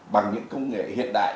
bằng những công nghệ hiện đại